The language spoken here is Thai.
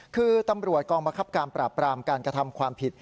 คือตำรวจกองบังคับการปราบปรามการกระทำความผิด